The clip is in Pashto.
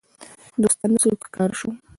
دوستانه سلوک ښکاره شو.